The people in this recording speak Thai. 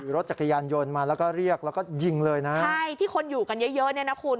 รถจักรยานยนต์มาแล้วก็เรียกแล้วก็ยิงเลยนะใช่ที่คนอยู่กันเยอะเยอะเนี่ยนะคุณ